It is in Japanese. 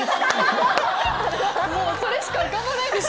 もうそれしか浮かばないです。